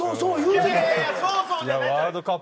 いやいやいや「そうそう」じゃないんだ。